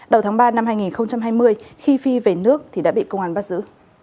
đầu tháng ba năm hai nghìn hai mươi khi phi về nước thì đã bị công an bắt giữ